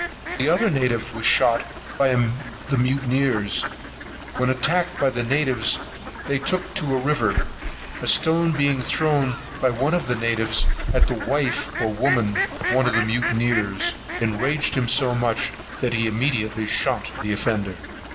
The other native was shot by the mutineers; when attacked by the natives they took to a river; a stone being thrown by one of the natives at the wife, or woman, of one of the mutineers, enraged him so much, that he immediately shot the offender.